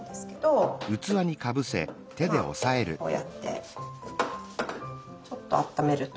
まあこうやってちょっとあっためるとこんな感じ。